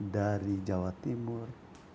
dari jawa timur